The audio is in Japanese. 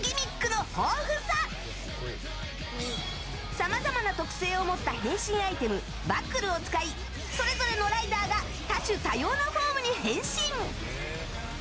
さまざまな特性を持った変身アイテム、バックルを使いそれぞれのライダーが多種多様なフォームに変身。